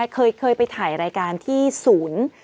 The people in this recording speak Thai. เคยไปถ่ายรายการที่ศูนย์